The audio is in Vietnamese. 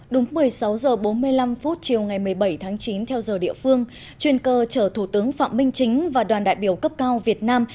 đúng một mươi sáu h bốn mươi năm chiều ngày một mươi bảy tháng chín theo giờ địa phương chuyên cơ chở thủ tướng phạm minh chính và đoàn đại biểu cấp cao việt nam